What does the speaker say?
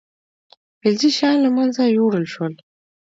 فلزي شیان له منځه یوړل شول.